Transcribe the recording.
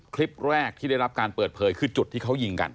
คลิปแรกที่ได้รับการเปิดเผยคือจุดที่เขายิงกัน